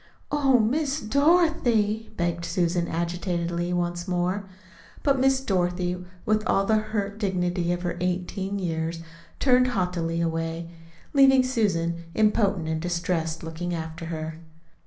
"Oh, Miss Dorothy!" begged Susan agitatedly, once more. But Miss Dorothy, with all the hurt dignity of her eighteen years, turned haughtily away, leaving Susan impotent and distressed, looking after her.